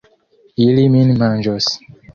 Ili min manĝos.